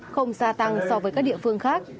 không xa tăng so với các địa phương khác